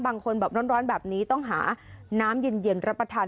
บางคนแบบร้อนแบบนี้ต้องหาน้ำเย็นรับประทาน